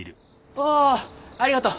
ああありがとう。